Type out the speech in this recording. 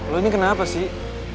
lo ini kenapa sih